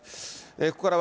ここからは、